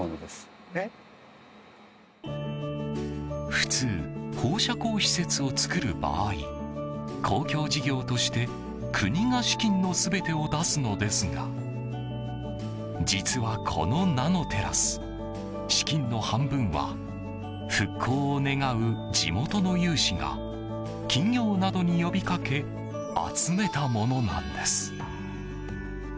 普通、放射光施設を作る場合公共事業として国が資金の全てを出すのですが実は、このナノテラス資金の半分は復興を願う地元の有志が企業などに呼びかけ集めたものなんです。